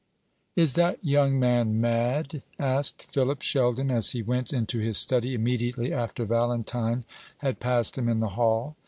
"Is that young man mad?" asked Philip Sheldon, as he went into his study immediately after Valentine had passed him in the hall.